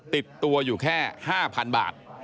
ติดตัวอยู่แค่๕๐๐๐บาท